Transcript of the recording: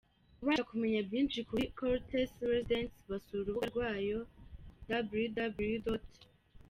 Kubasha kumenya byinshi kuri courtesy Residence basura urubuga rwayo www.